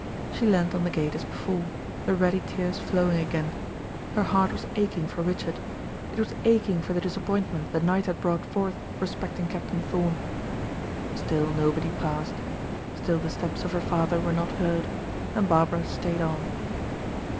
She leaned on the gate as before, the ready tears flowing again; her heart was aching for Richard; it was aching for the disappointment the night had brought forth respecting Captain Thorn. Still nobody passed; still the steps of her father were not heard, and Barbara stayed on.